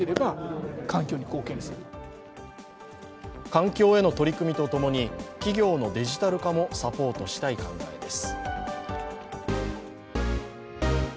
環境への取り組みとともに企業のデジタル化もサポートしたい考えです。